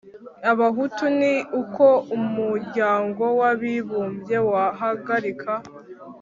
abahutu ni uko umuryango w'abibumbye wahagarika